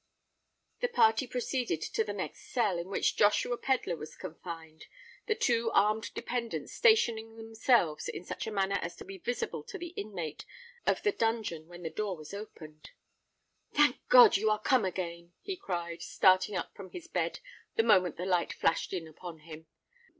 The party proceeded to the next cell, in which Joshua Pedler was confined, the two armed dependants stationing themselves in such a manner as to be visible to the inmate of the dungeon when the door was opened. "Thank God! you are come again," he cried, starting up from his bed the moment the light flashed in upon him.